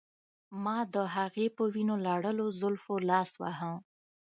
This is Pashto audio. ما د هغې په وینو لړلو زلفو لاس واهه